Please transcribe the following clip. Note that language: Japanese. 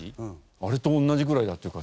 あれと同じぐらいだっていうから。